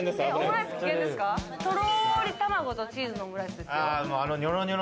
とろり卵とチーズのオムライス。